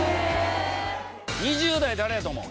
２０代誰やと思う？